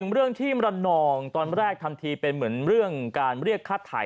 เรื่องที่มรนองตอนแรกทำทีเป็นเหมือนเรื่องการเรียกค่าถ่าย